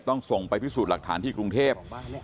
ส่งไปพิสูจน์หลักฐานที่กรุงเทพ